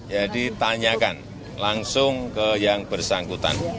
jadi tanyakan langsung ke yang bersangkutan